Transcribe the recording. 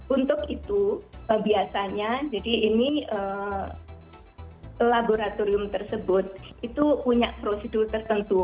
untuk itu biasanya jadi ini laboratorium tersebut itu punya prosedur tertentu